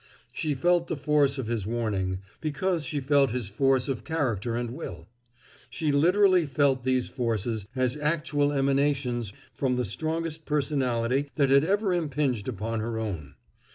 She felt the force of his warning, because she felt his force of character and will. She literally felt these forces, as actual emanations from the strongest personality that had ever impinged upon her own.